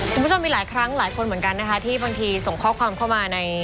คุณผู้ชมมีหลายครั้งหลายคนเหมือนกันนะคะที่บางทีส่งข้อความเข้ามาใน